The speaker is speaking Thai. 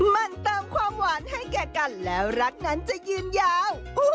มันเติมความหวานให้แก่กันแล้วรักนั้นจะยืนยาว